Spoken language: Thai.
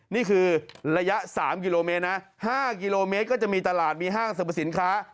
นี่คือระยะ๓กิโลเมตรนะ๕กิโลเมตรก็จะมีตลาดมีห้างสรรพสินค้า